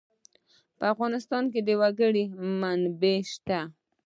په افغانستان کې د وګړي منابع شته.